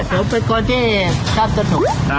ครับผมเป็นคนที่ทราบสนุก